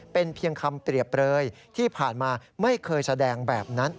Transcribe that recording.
เป็นเพียงคำเปรียบเปรยที่ผ่านมาไม่เคยแสดงแบบนั้น